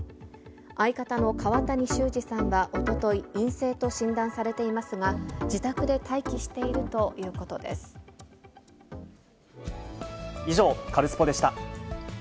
相方の川谷修士さんはおととい、陰性と診断されていますが、自宅で待機しているということで以上、カルスポっ！でした。